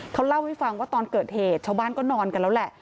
เขาเล่าให้ฟังว่าตอนเกิดเหตุชาวบ้านก็นอนกันแล้วแหละ